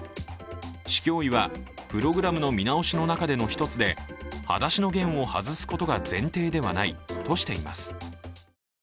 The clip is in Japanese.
市教委はプログラムの見直しの中での一つで「はだしのゲン」を外すことが前提ではないとしています。